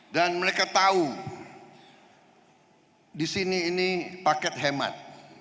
dan mereka tahu disini ini paket hemat